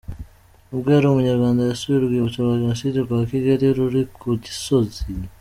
Ubwo yari mu Rwanda yasuye urwibutso rwa Jenoside rwa Kigali ruri ku Gisozi.